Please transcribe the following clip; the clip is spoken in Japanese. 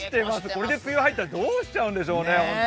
これで梅雨に入ったらどうしちゃうんでしょうね。